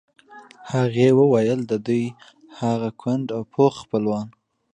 هغې وویل د دوی هغه کونډ او پوخ خپلوان.